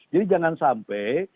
jadi jangan sampai